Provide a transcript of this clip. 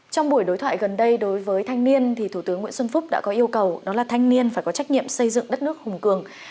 trong buổi đối thoại gần đây đối với thanh niên thì thủ tướng nguyễn xuân phúc đã có yêu cầu đó là thanh niên phải có trách nhiệm xây dựng đất nước hùng cường